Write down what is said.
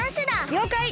りょうかい！